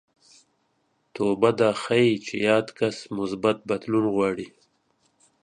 توبه دا ښيي چې یاد کس مثبت بدلون غواړي